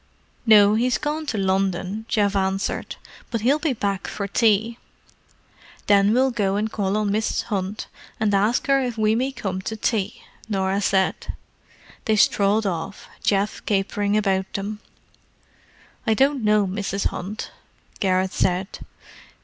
"No—he's gone to London," Geoff answered. "But he'll be back for tea." "Then we'll go and call on Mrs. Hunt and ask her if we may come to tea," Norah said. They strolled off, Geoff capering about them. "I don't know Mrs. Hunt," Garrett said.